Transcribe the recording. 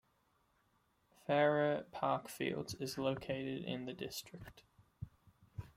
Farrer Park Fields is located in the district.